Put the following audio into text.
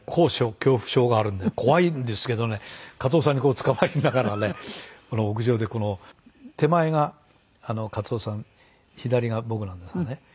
恐怖症があるんで怖いんですけどね嘉葎雄さんにこうつかまりながらね屋上でこの手前が嘉葎雄さん左が僕なんですけどね。